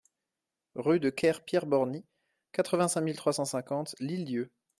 Rue de Ker Pierre Borny, quatre-vingt-cinq mille trois cent cinquante L'Île-d'Yeu